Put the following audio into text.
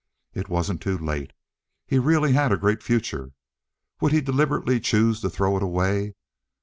It wasn't too late. He really had a great future. Would he deliberately choose to throw it away?